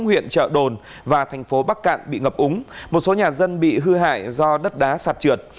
huyện trợ đồn và thành phố bắc cạn bị ngập úng một số nhà dân bị hư hại do đất đá sạt trượt